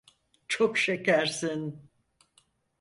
Çok şekersin.